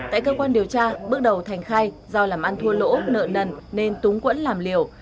tại cơ quan điều tra bước đầu thành khai do làm ăn thua lỗ nợ nần nên túng quẫn làm liều